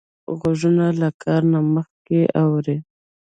غوږونه له کار نه مخکې اوري